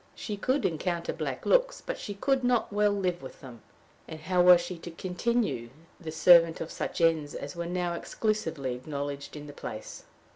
She could encounter black looks, but she could not well live with them; and how was she to continue the servant of such ends as were now exclusively acknowledged in the place?